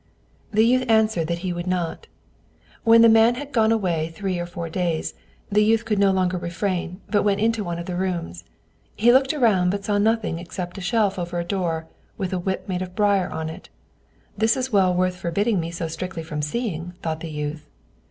The youth answered that he would not. When the man had gone away three or four days, the youth could no longer refrain, but went into one of the rooms. He looked around, but saw nothing except a shelf over the door, with a whip made of briar on it. "This was well worth forbidding me so strictly from seeing," thought the youth.